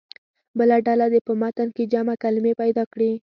بله ډله دې په متن کې جمع کلمې پیدا کړي.